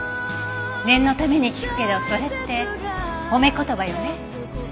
念のために聞くけどそれって褒め言葉よね？